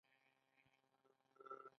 عامې روغتیا وزارت